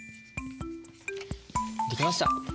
できました。